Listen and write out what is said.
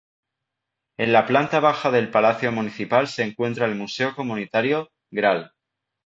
En la planta baja del Palacio Municipal se encuentra el Museo Comunitario “Gral.